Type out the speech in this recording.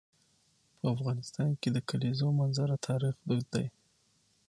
په افغانستان کې د د کلیزو منظره تاریخ اوږد دی.